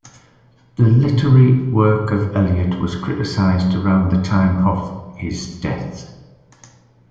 The literary work of Elliot was criticised around the time of his death.